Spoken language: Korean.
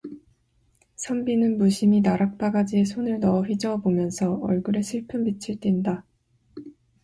선비는 무심히 나락 바가지에 손을 넣어 휘저어 보면서 얼굴에 슬픈 빛을 띤다.